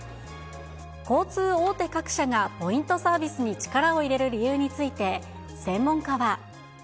交通大手各社がポイントサービスに力を入れる理由について、専門家は。